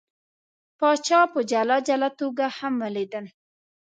پاچا په جلا جلا توګه هم ولیدل.